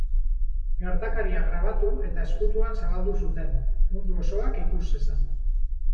Gertakaria grabatu eta ezkutuan zabaldu zuten mundu osoak ikus zezan.